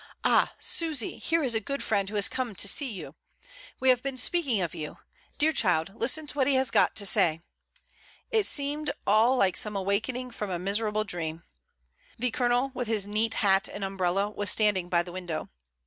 "Ah! Susy, here is a good friend who has come to see you. We have been speaking of you. Dear child, listen to what he has got to say." It seemed all like some awakening from a miserable dream. The Colonel, with his neat hat and umbrella, was standing by the window.